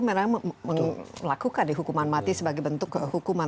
mereka melakukan hukuman mati sebagai bentuk hukuman